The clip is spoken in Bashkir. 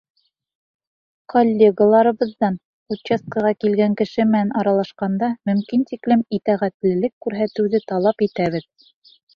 Коллегаларыбыҙҙан участкаға килгән кеше менән аралашҡанда мөмкин тиклем итәғәтлелек күрһәтеүҙе талап итәбеҙ.